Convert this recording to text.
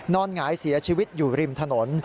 หงายเสียชีวิตอยู่ริมถนน